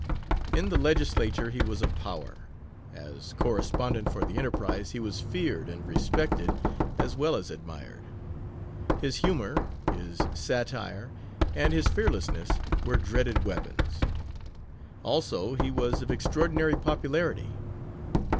In the Legislature he was a power; as correspondent for the Enterprise he was feared and respected as well as admired. His humor, his satire, and his fearlessness were dreaded weapons. Also, he was of extraordinary popularity.